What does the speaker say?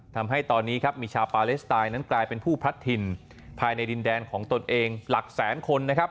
ทำให้ตอนนี้ครับมีชาวปาเลสไตน์นั้นกลายเป็นผู้พลัดถิ่นภายในดินแดนของตนเองหลักแสนคนนะครับ